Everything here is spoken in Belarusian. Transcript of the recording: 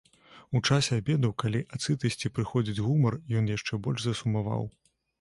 У часе абеду, калі ад сытасці прыходзіць гумар, ён яшчэ больш засумаваў.